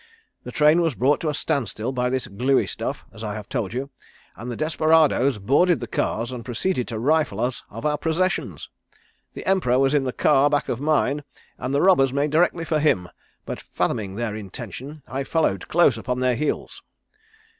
The train was brought to a stand still by this gluey stuff, as I have told you, and the desperadoes boarded the cars and proceeded to rifle us of our possessions. The Emperor was in the car back of mine, and the robbers made directly for him, but fathoming their intention I followed close upon their heels.